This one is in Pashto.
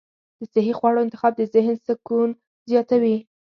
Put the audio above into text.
د صحي خواړو انتخاب د ذهن سکون زیاتوي.